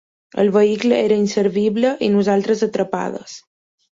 El vehicle era inservible i nosaltres atrapades.